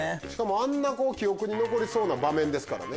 あんな記憶に残りそうな場面ですからね。